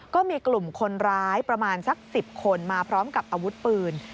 ก็มีกลุ่มคนร้ายประมาณสัก๑๐คนมาพร้อมกับอาวุธปืน